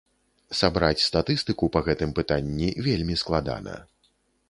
Сабраць статыстыку па гэтым пытанні вельмі складана.